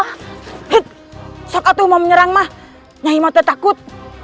hei siapa itu mau menyerang nyai ma takut